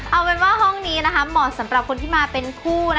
เอาเป็นว่าห้องนี้เหมาะสำหรับคนที่มาเป็นคู่